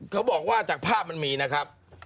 เขาบอกว่าจากภาพมันมีนะครับ